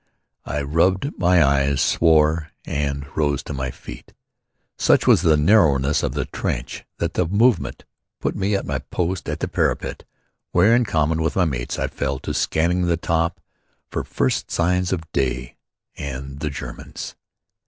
I rubbed my eyes, swore and rose to my feet. Such was the narrowness of the trench that the movement put me at my post at the parapet, where in common with my mates, I fell to scanning the top for the first signs of day and the Germans.